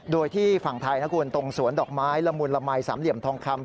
โดยที่ฝั่งไทยนะคุณตรงสวนดอกไม้ละมุนละมัยสามเหลี่ยมทองคำ